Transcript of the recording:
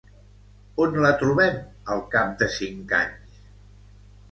On la trobem al cap de cinc anys?